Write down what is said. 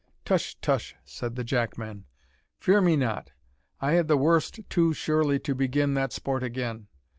"Tush! tush!" said the Jackman, "fear me not; I had the worst too surely to begin that sport again.